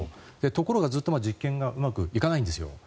ところがずっと実験がうまくいかないんですよ。